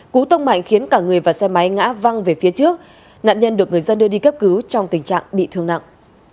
cú tông mạnh khiến cả người và xe máy ngã văng về phía trước nạn nhân được người dân đưa đi cấp cứu trong tình trạng bị thương nặng